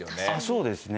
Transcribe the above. そうですね。